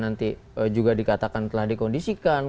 nanti juga dikatakan telah dikondisikan